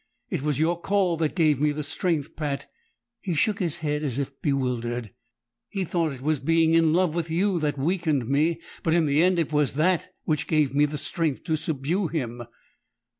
It was your call that gave me the strength, Pat." He shook his head as if bewildered. "He thought it was being in love with you that weakened me, but in the end it was that which gave me the strength to subdue him."